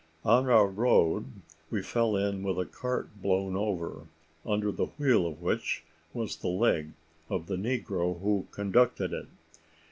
On our road we fell in with a cart blown over, under the wheel of which was the leg of the negro who conducted it.